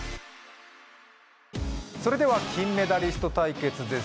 それでは金メダリスト対決です